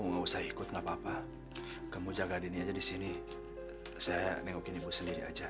nggak usah ikut nggak papa kamu jaga ini aja di sini saya nengokin ibu sendiri aja iya deh